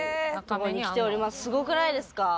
すごくないですか？